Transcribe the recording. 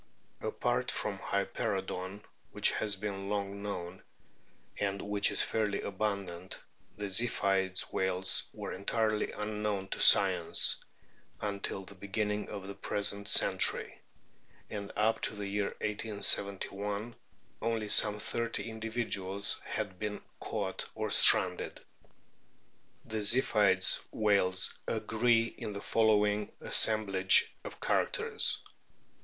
Apart from Hyperoodon, which has been long 212 A BOOK OF WHALES known, and which is fairly abundant, the Ziphioid whales were entirely unknown to science until the beginning of the present century ; and up to the year iS/i only some thirty individuals had been caught or stranded. The Ziphioid whales agree in the following assem blage of characters : 1.